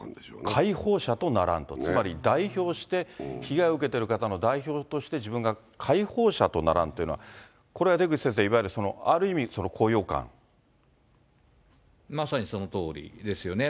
解放者とならんと、つまり代表して、被害を受けてる方の代表として自分が解放者とならんというのは、これ、出口先生、いわゆまさにそのとおりですよね。